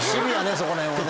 そこらへんはね。